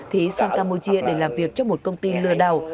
thí sang campuchia để làm việc trong một công ty lừa đảo